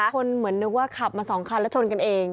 เหมือนนึกว่าขับมา๒คันแล้วชนกันเอง